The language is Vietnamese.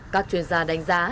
các chuyên gia đánh giá